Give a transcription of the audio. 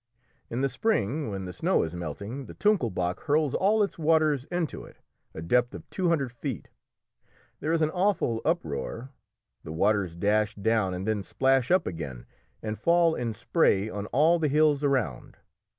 In the spring, when the snow is melting, the Tunkelbach hurls all its waters into it, a depth of two hundred feet. There is an awful uproar; the waters dash down and then splash up again and fall in spray on all the hills around.